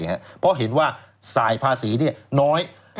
เพราะเห็นว่าสายภาษีน้อย